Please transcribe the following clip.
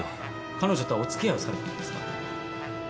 彼女とはおつきあいをされてたんですか？